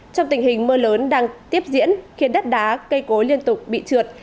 trong tình hình mưa lớn đang tiếp diễn khiến đất đá cây cối liên tục bị trượt